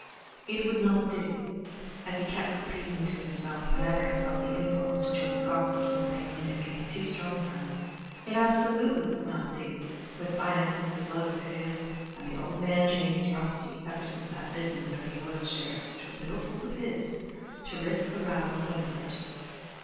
It would not do, as he kept repeating to himself whenever he felt the impulse to join the gossips in the bay window getting too strong for him—it absolutely would not do, with finances as low as his, and the "old man" (James) rusty ever since that business over the oil shares, which was no fault of his, to risk a row with Winifred.